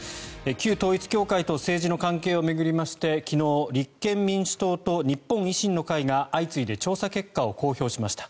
旧統一教会と政治の関係を巡りまして昨日立憲民主党と日本維新の会が相次いで調査結果を公表しました。